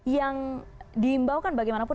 yang diimbaukan bagaimanapun